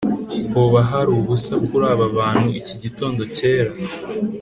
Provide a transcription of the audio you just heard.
hoba hari ubusa kuri aba bantu, iki gitondo cyera?